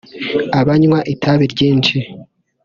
abanywa itabi ryinshi